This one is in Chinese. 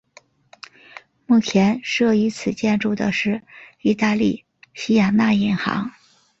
目前设于此建筑的是意大利西雅那银行。